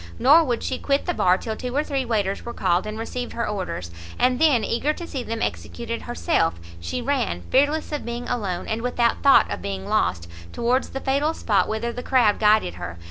Nor would she quit the bar, till two or three waiters were called, and received her orders. And then, eager to see them executed herself, she ran, fearless of being alone, and without thought of being lost, towards the fatal spot whither the crowd guided her.